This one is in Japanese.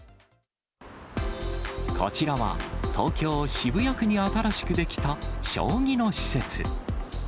こちらは、東京・渋谷区に新しく出来た将棋の施設。